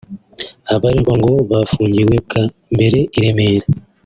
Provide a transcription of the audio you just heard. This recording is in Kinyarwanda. Abaregwa ngo bafungiwe bwa mbere i Remera